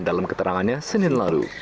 dalam keterangannya senin lalu